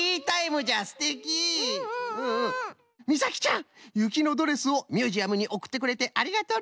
みさきちゃん「雪のドレス」をミュージアムにおくってくれてありがとうの。